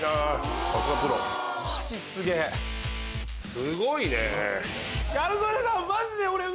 すごいね。